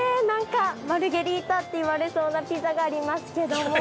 何かマルゲリータって言われそうなピザがありますけども。